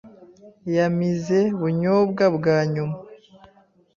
Yamize bunyobwa bwa nyuma.